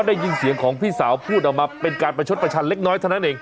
ได้ยินเสียงของพี่สาวพูดออกมาเป็นการประชดประชันเล็กน้อยเท่านั้นเอง